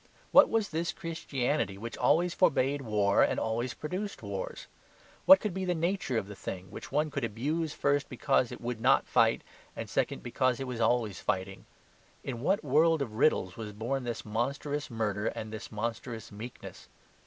What was this Christianity which always forbade war and always produced wars? What could be the nature of the thing which one could abuse first because it would not fight, and second because it was always fighting? In what world of riddles was born this monstrous murder and this monstrous meekness?